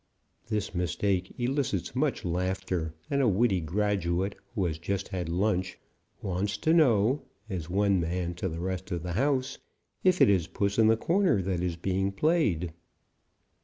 This mistake elicits much laughter, and a witty graduate who has just had lunch wants to know, as one man to the rest of the house, if it is puss in the corner that is being played.